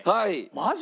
マジ？